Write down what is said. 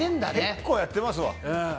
結構やってますわ。